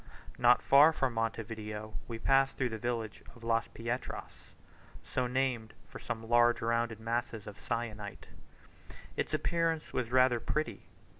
Not far from Monte Video we passed through the village of Las Pietras, so named from some large rounded masses of syenite. Its appearance was rather pretty.